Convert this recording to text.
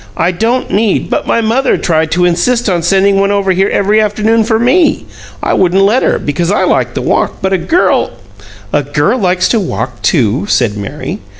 "I don't need " "But my mother tried to insist on sending one over here every afternoon for me. I wouldn't let her, because I like the walk, but a girl " "A girl likes to walk, too," said Mary.